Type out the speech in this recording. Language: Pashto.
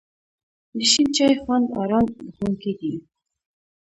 د شین چای خوند آرام بښونکی دی.